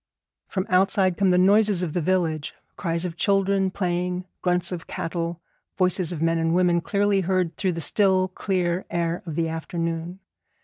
From outside come the noises of the village, cries of children playing, grunts of cattle, voices of men and women clearly heard through the still clear air of the afternoon.